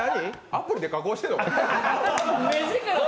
アプリで加工してるの？